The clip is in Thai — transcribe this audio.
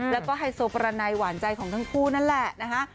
แล้วก็ไฮโซประไนหวานใจของทั้งคู่นั่นแหละนะคะ